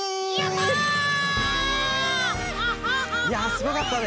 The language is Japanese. いやすごかったね。